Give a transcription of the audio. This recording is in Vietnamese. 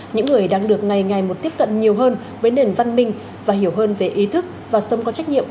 những người đang được ngày ngày một tiếp cận nhiều hơn với nền văn minh và hiểu hơn về ý thức và sống có trách nhiệm